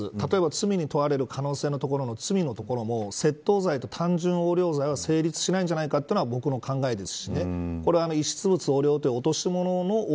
罪に問われる可能性の罪のところも窃盗罪と単純横領罪は成立しないんじゃないかというのが僕の考えです。